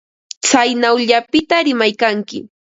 Tsaynawllapita rimaykanki.